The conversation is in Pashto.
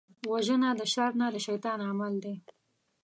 وژنه د شر نه، د شيطان عمل دی